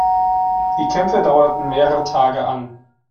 Die Kämpfe dauerten mehrere Tage an.